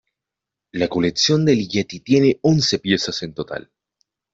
La colección de Ligeti tiene once piezas en total.